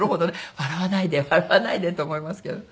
笑わないで笑わないでと思いますけど。